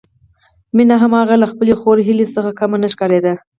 مينه هم هغه له خپلې خور هيلې څخه کمه نه ښکارېده